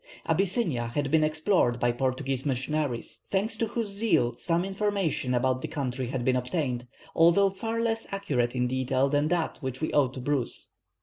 Abyssinia had been explored by Portuguese Missionaries, thanks to whose zeal some information about the country had been obtained, although far less accurate in detail than that which we owe to Bruce.